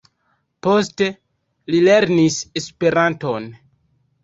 Poste li lernis Esperanton.